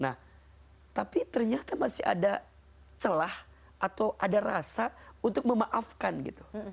nah tapi ternyata masih ada celah atau ada rasa untuk memaafkan gitu